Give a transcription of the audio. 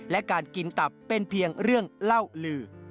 และการกินตับเป็นเพียงเรื่องเล่าลือ